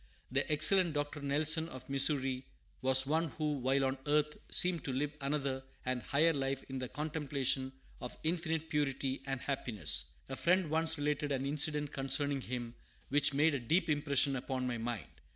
The excellent Dr. Nelson, of Missouri, was one who, while on earth, seemed to live another and higher life in the contemplation of infinite purity and happiness. A friend once related an incident concerning him which made a deep impression upon my mind.